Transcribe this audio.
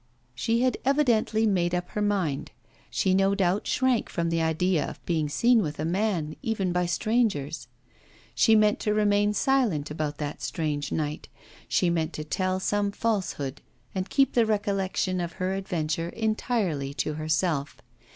She had evidently made up her mind. She no doubt shrank from the idea of being seen with a man, even by strangers. She meant to remain silent about that strange night, she meant to tell some falsehood, and keep the recollection of her adventure entirely to herself.